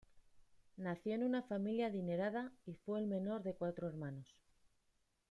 Nació en una familia adinerada y fue el menor de cuatro hermanos.